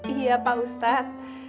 iya pak ustadz